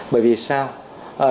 bởi vì sao